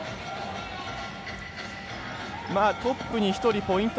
トップに１人ポイント